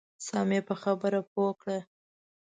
سم یې په خبره پوه کړه.